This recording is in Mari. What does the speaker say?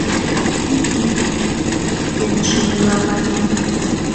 — Мием, — кӧнышын ойла Вася.